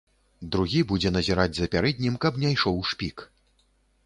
Другі будзе назіраць за пярэднім, каб не ішоў шпік.